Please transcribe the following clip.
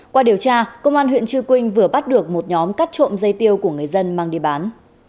qua điều tra công an huyện chư quynh vừa bắt được một nhóm cắt trộm dây tiêu của người dân mang đi bán